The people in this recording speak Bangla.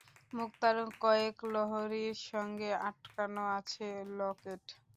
মুক্তার কয়েক লহরির সঙ্গে আটকানো আছে লকেট।